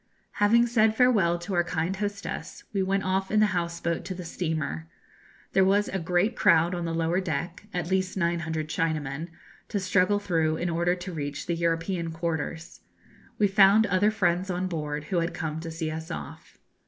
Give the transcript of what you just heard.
Having said farewell to our kind hostess, we went off in the house boat to the steamer. There was a great crowd on the lower deck at least 900 Chinamen to struggle through in order to reach the European quarters. We found other friends on board, who had come to see us off.